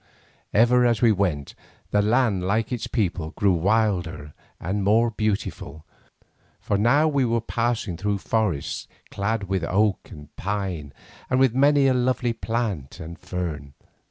Ever as we went the land like its people grew wilder and more beautiful, for now we were passing through forests clad with oak and pine and with many a lovely plant and fern.